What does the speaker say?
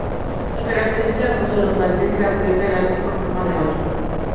Se caracteriza por su esbeltez y la cubierta del ático con forma de ola.